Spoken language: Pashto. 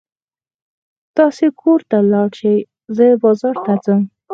تاسې کور ته ولاړ شئ، زه بازار ته ځم.